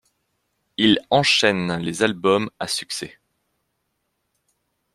Il enchaîne les albums à succès.